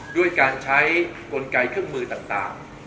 ด้วยการใช้กลไกเครื่องมือต่าง